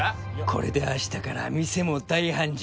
これで明日から店も大繁盛